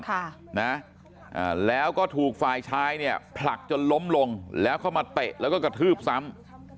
ลุยนะแล้วก็ถูกฝ่ายชายเนี่ยผลักดำลมลงแล้วเขามาติ๊กแล้วก็กระทืบซ้ำ